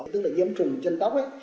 tức là nhiễm trùng chân tóc ấy